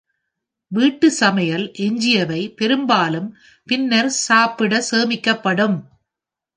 வீட்டு சமையல் எஞ்சியவை பெரும்பாலும் பின்னர் சாப்பிட சேமிக்கப்படும்.